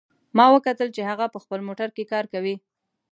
ما وکتل چې هغه په خپل موټر کې کار کوي